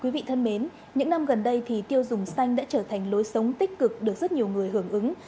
quý vị thân mến những năm gần đây thì tiêu dùng xanh đã trở thành lối sống tích cực được rất nhiều người hưởng ứng